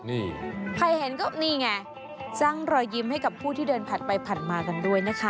นี่ใครเห็นก็นี่ไงสร้างรอยยิ้มให้กับผู้ที่เดินผ่านไปผ่านมากันด้วยนะคะ